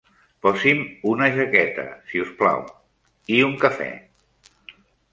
Posi'm una jaqueta, si us plau, i un cafè.